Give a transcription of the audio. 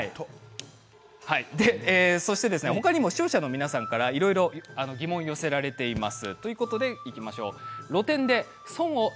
他にも視聴者の皆さんからいろいろ疑問が寄せられています。